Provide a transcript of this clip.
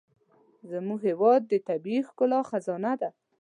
زموږ هېواد د طبیعي ښکلا خزانه ده.